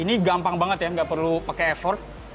ini gampang banget ya nggak perlu pakai effort